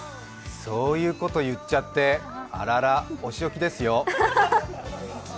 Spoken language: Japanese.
そういうこと言っちゃって、あらら、おしおきですよ。